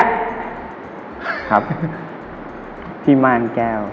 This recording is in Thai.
ครับที่ม่านแก้ว